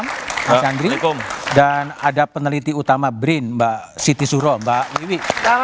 mas andri dan ada peneliti utama brin mbak siti suro mbak wiwi